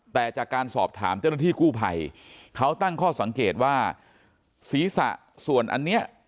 แต่จากการสอบถามเจ้าหน้าที่กู้ภัยเขาตั้งข้อสังเกตว่าศีรษะส่วนอันเนี้ย